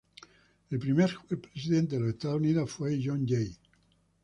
El primer Juez Presidente de los Estados Unidos fue John Jay.